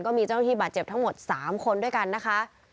ก็มีเจ้าหน้าที่บาดเจ็บทั้งหมด๓คนด้วยกันนะคะ